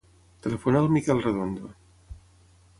Telefona al Mikel Redondo.